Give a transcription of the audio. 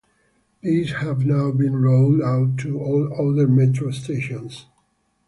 These have now been rolled out to all other metro stations.